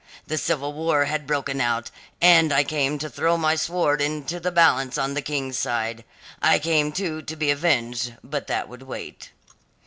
The Civil War had broken out, and I came to throw my sword into the balance on the King's side: I came, too, to be avenged, but that would wait.